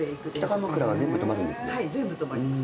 はい全部止まります。